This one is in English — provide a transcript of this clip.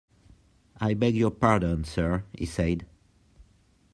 "I beg your pardon, sir," he said.